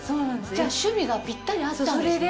じゃ趣味がピッタリ合ったんですね。